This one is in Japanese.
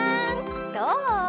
どう？